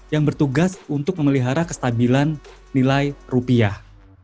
yang bertugas untuk memelihara kestabilan nilai rupiah